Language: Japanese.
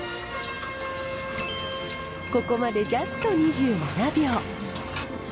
ここまでジャスト２７秒。